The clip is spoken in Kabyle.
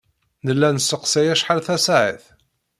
Nella nesseqsay acḥal tasaɛet.